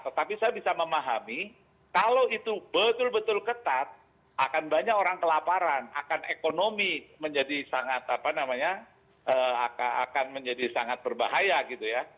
tetapi saya bisa memahami kalau itu betul betul ketat akan banyak orang kelaparan akan ekonomi menjadi sangat apa namanya akan menjadi sangat berbahaya gitu ya